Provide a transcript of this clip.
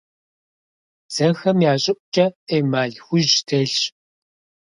Дзэхэм я щӀыӀукӀэ эмаль хужь телъщ.